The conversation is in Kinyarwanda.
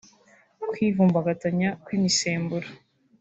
kwivumbagatanya kw’imisemburo